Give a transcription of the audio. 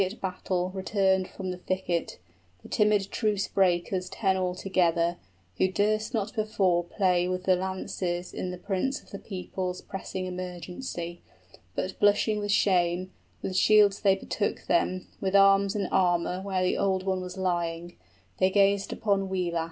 } The tardy at battle returned from the thicket, 25 The timid truce breakers ten all together, Who durst not before play with the lances In the prince of the people's pressing emergency; {They are ashamed of their desertion.} But blushing with shame, with shields they betook them, With arms and armor where the old one was lying: 30 They gazed upon Wiglaf.